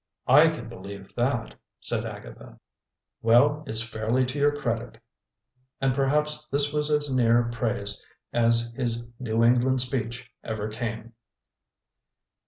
"I can believe that!" said Agatha. "Well, it's fairly to your credit!" And perhaps this was as near praise as his New England speech ever came.